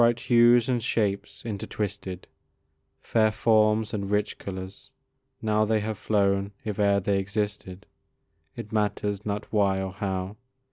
Bright hues and shapes intertwisted, Fair forms and rich colours; now They have flown if e'er they existed It matters not why or how.